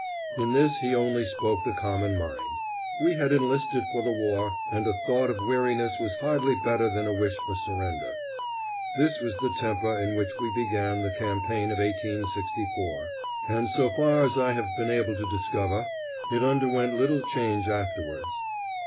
In this he only spoke the common mind. We had enlisted for the war, and a thought of weariness was hardly better than a wish for surrender. This was the temper in which we began the campaign of 1864, and so far as I have been able to discover, it underwent little change afterwards.